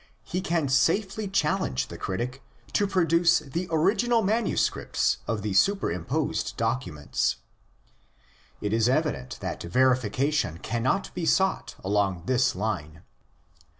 He can safely challenge the critic to produce the original manuscripts of the superimposed documents. It is evident that verification cannot be sought along this line.